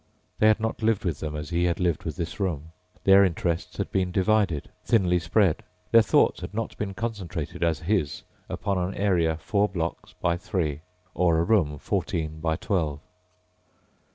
They had not lived with them as he had lived with this room. Their interests had been divided, thinly spread; their thoughts had not been concentrated as his upon an area four blocks by three, or a room fourteen by twelve.